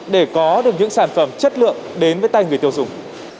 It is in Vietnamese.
để có được những sản phẩm chất lượng đến với tay người tiêu dùng